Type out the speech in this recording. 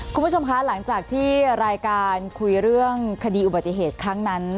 คุณผู้ชมคะหลังจากที่รายการคุยเรื่องคดีอุบัติเหตุครั้งนั้น